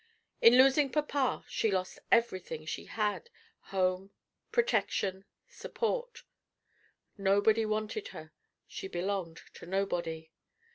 In losing papa she lost every thing that she had home, protection, support. Nobody wanted her; she belonged to nobody.